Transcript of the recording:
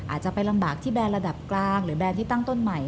อาจจะไปลำบากที่แบรนดระดับกลางหรือแบรนด์ที่ตั้งต้นใหม่